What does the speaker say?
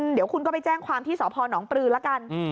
เดี๋ยวคุณก็ไปแจ้งความที่สพนปลือละกัน